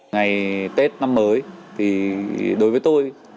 ngày tết năm mới thì đối với tôi